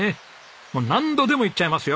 もう何度でも言っちゃいますよ！